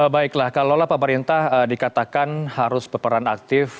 baiklah kalaulah pak mbak rinta dikatakan harus peperan aktif